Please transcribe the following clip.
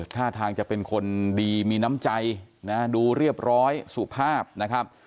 ท่าทางจะเป็นคนดีมีน้ำใจนะดูเรียบร้อยสุภาพนะครับ